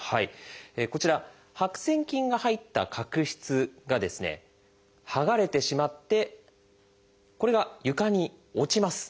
こちら白癬菌が入った角質が剥がれてしまってこれが床に落ちます。